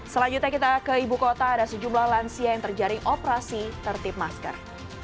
selanjutnya kita ke ibu kota ada sejumlah lansia yang terjaring operasi tertip masker